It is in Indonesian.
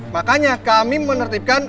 makanya kami menertibkan